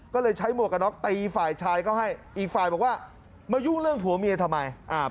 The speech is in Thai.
ก็เลยใช้หมวกกระน็อกตีฝ่ายชายเขาให้อีกฝ่ายบอกว่ามายุ่งเรื่องผัวเมียทำไม